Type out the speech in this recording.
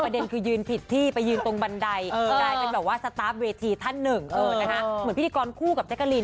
ตอนนี้ให้น้องเป๋าไปกินข้าวก่อน